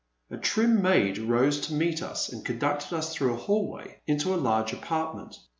A trim maid rose to meet us and conducted us through a hallway into a large apartment.